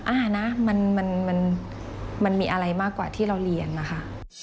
อ่านะมันมีอะไรมากกว่าที่เราเรียนนะคะ